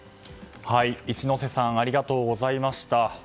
一之瀬さんありがとうございました。